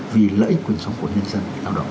vì lợi ích quyền sống của nhân dân